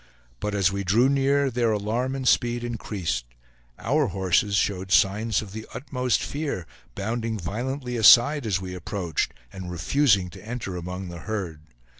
But as we drew near, their alarm and speed increased; our horses showed signs of the utmost fear, bounding violently aside as we approached, and refusing to enter among the herd.